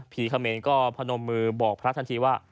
พี่เขมรก็พระนมมือบอกพระมียาทันทีว่า